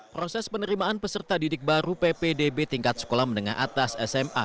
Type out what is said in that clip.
proses penerimaan peserta didik baru ppdb tingkat sekolah menengah atas sma